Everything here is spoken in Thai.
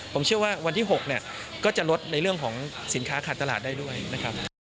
ผมเชื่อว่าวันที่๖เนี่ยก็จะลดในเรื่องของสินค้าขาดตลาดได้ด้วยนะครับ